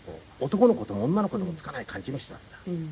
男の子とも女の子にもつかない感じの人だった。